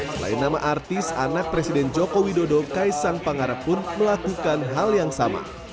selain nama artis anak presiden joko widodo kaisang pangarap pun melakukan hal yang sama